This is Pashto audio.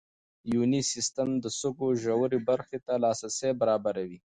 یوني سیسټم د سږو ژورې برخې ته لاسرسی برابروي.